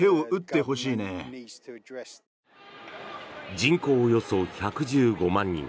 人口およそ１１５万人。